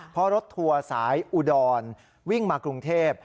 เพราะรถทัวร์สายอุดรวิ่งมากรุงเทพ